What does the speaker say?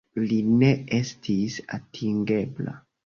Li ne estis atingebla.